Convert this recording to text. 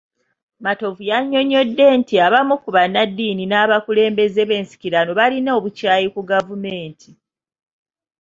Matovu yannyonnyodde nti abamu ku bannaddiini n'abakulembeze b'ensikirano balina obukyayi ku gavumenti.